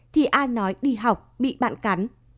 thì a nói đi học bị bạn cắn